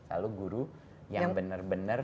lalu guru yang benar benar